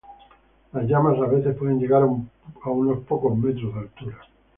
Las llamas a veces puede llegar a unos pocos metros de altura.